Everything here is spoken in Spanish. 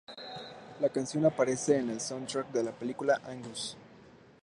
La canción aparece en el soundtrack de la película "Angus".